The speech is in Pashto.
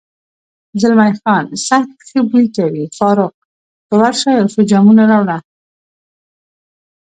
زلمی خان: سخت ښه بوی کوي، فاروق، ته ورشه یو څو جامونه راوړه.